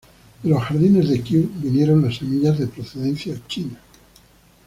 De los jardines de Kew vinieron las semillas de procedencia China.